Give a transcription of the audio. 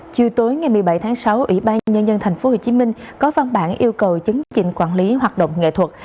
chiều tối ngày một mươi bảy tháng sáu ủy ban nhân dân tp hcm có văn bản yêu cầu chấn chỉnh quản lý hoạt động nghệ thuật